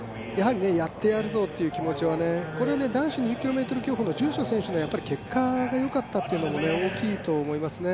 やってやるぞという気持ちは、男子２０ｋｍ競歩の選手の結果がよかったというのも大きいと思いますね。